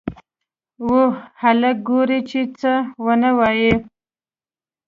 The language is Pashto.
وه هلکه گوره چې څه ونه وايې.